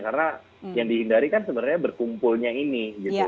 karena yang dihindari kan sebenarnya berkumpulnya ini